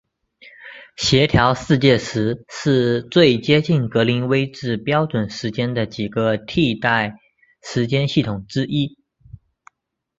协调世界时是最接近格林威治标准时间的几个替代时间系统之一。